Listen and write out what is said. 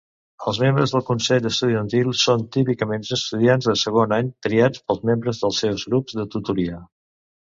Els membres del Consell Estudiantil són típicament estudiants de segon any triats pels membres dels seus grups de tutoria.